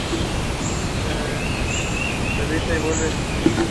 La joven generación encuentra en esto un gran placer.